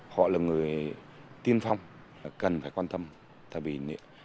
họ là người tiên phong cần phải quan tâm